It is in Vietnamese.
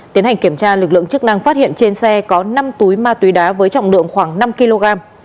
tiến hành kiểm tra lực lượng chức năng phát hiện trên xe có năm túi ma túy đá với trọng lượng khoảng năm kg